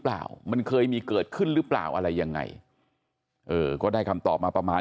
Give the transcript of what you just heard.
เปล่ามันเคยมีเกิดขึ้นหรือเปล่าอะไรยังไงเออก็ได้คำตอบมาประมาณ